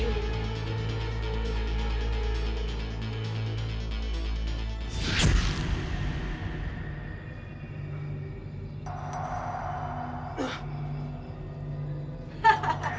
ilmu mu tidak sebanding kali ini